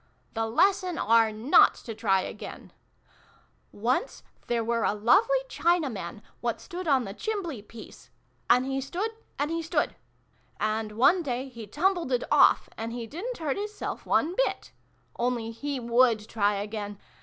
" The Lesson are ' not to try again '!"" Once there xxiv] THE BEGGAR'S RETURN. 397 were a lovely china man, what stood on the chimbley piece. And he stood, and he stood. And one day he tumbleded off, and he didn't hurt his self one bit. Only he would try again.